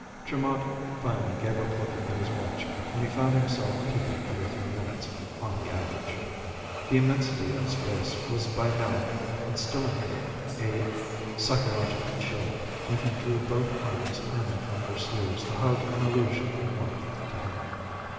Tremont finally gave up looking at his watch when he found himself peeping every three minutes, on the average. The immensity of space was by now instilling in him a psychological chill, and he drew both arms in from their sleeves to hug an illusion of warmth to him.